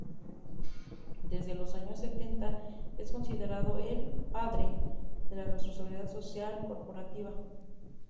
Desde los años setenta es considerado el "padre" de la Responsabilidad Social Corporativa.